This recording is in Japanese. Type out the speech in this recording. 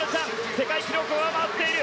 世界記録を上回っている。